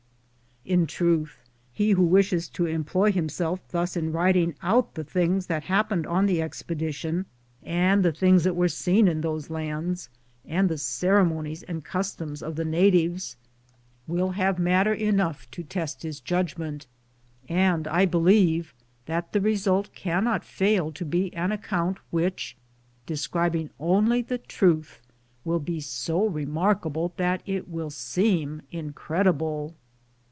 In truth, he who wishes to employ him self thus in writing out the things that hap pened on the expedition, and the things that were seen in those lands, and the ceremonies and customs of the natives, will have matter enough to test his judgment, and I believe that the result can not fail to be an account which, describing only the truth, will be so remarkable that it will seem incredible.